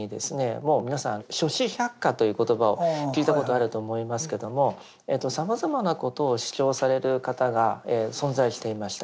もう皆さん「諸子百家」という言葉を聞いたことあると思いますけどもさまざまなことを主張される方が存在していました。